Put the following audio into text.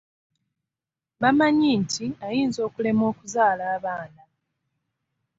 Bamanya nti ayinza okulemwa okuzaala abaana.